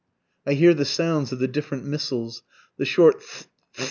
I hear the sounds of the different missiles, the short _t h t! t h t!